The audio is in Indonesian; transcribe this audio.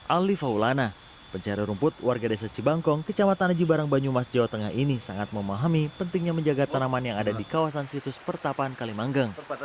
ali faulana pencari rumput warga desa cibangkong kecamatan jibarang banyumas jawa tengah ini sangat memahami pentingnya menjaga tanaman yang ada di kawasan situs pertapaan kalimanggeng